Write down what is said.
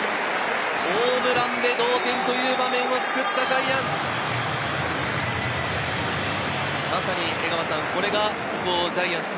ホームランで同点という場面を作ったジャイアンツ。